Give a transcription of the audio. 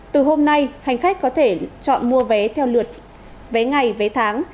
từ hôm nay hành khách có thể chọn mua vé theo lượt vé ngày vé tháng